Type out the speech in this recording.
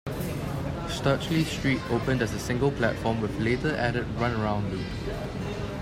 Stirchley Street opened as a single platform with later added run around loop.